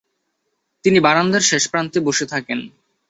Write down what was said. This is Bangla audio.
তিনি বারান্দার শেষপ্রান্তে বসে থাকেন।